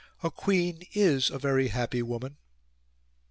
"A queen IS a very happy woman."